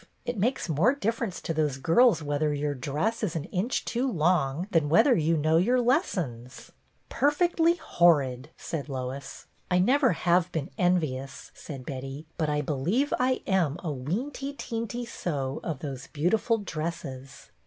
It makes more difference to those girls whether your dress is an inch too long than whether you know your lessons." " Perfectly horrid," said Lois. " I never have been envious," said Betty, "but I believe I am a weenty teenty so of those beautiful dresses.